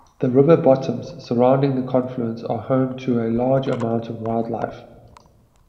The river bottoms surrounding the confluence are home to a large amount of wildlife.